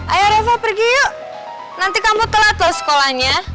ayo revo pergi yuk nanti kamu telat loh sekolahnya